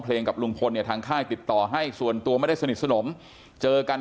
กับลุงพลเนี่ยทางค่ายติดต่อให้ส่วนตัวไม่ได้สนิทสนมเจอกัน